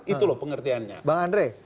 itu loh pengertiannya bang andre